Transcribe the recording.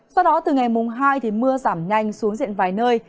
sau đó từ ngày mùng hai thì mưa giảm nhanh xuống diện vài nơi